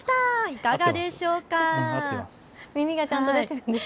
いかがでしょうか。